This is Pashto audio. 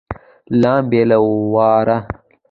لمبې له واره